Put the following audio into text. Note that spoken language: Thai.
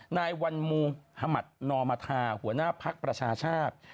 นายวัลมูฮมัตนอมทาหัวหน้าพักประชาชาติ